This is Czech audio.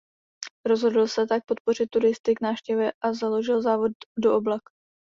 Rozhodl se tak podpořit turisty k návštěvě a založil závod do oblak.